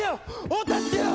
お助けを！